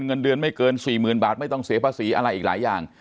เงินเดือนไม่เกิน๔๐๐๐บาทไม่ต้องเสียภาษีอะไรอีกหลายอย่าง